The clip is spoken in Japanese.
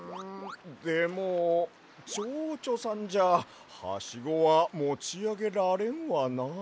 でもちょうちょさんじゃハシゴはもちあげられんわな。